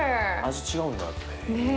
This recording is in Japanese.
味違うんだ。